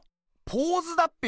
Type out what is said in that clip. ポーズだっぺよ！